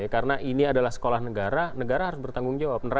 karena ini adalah sekolah negara negara harus bertanggung jawab